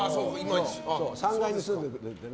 ３階に住んでくれてて。